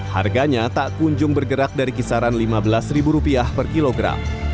harganya tak kunjung bergerak dari kisaran rp lima belas per kilogram